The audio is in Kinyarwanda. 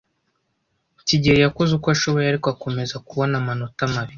kigeli yakoze uko ashoboye, ariko akomeza kubona amanota mabi.